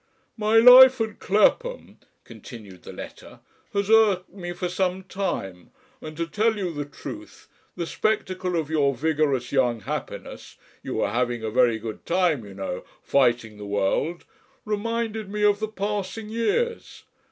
"My life at Clapham," continued the letter, "has irked me for some time, and to tell you the truth, the spectacle of your vigorous young happiness you are having a very good time, you know, fighting the world reminded me of the passing years.